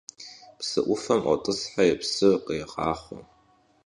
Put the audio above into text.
Псы Ӏуфэм ӏуотӏысхьэри псы кърегъахъуэ.